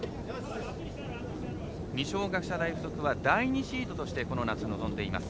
二松学舎大付属は第２シードとしてこの夏、臨んでいます。